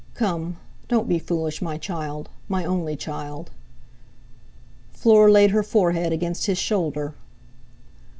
Come! Don't be foolish, my child—my only child!" Fleur laid her forehead against his shoulder.